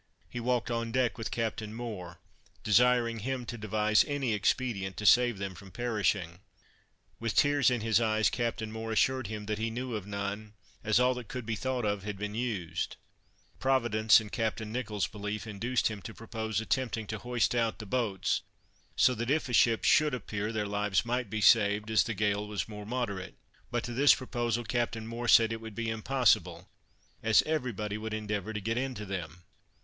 He walked on deck with Captain Moore, desiring him to devise any expedient to save them from perishing. With tears in his eyes, Captain Moore assured him that he knew of none, as all that could be thought of had been used. Providence, in Captain Nicholls' belief, induced him to propose attempting to hoist out the boats, so that if a ship should appear, their lives might be saved, as the gale was more moderate. But to this proposal, Captain Moore said it would be impossible, as every body would endeavor to get into them.